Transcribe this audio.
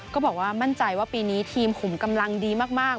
ก็บอกว่ามั่นใจว่าปีนี้ทีมขุมกำลังดีมาก